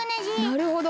なるほど。